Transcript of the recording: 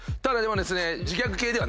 ただでもですね。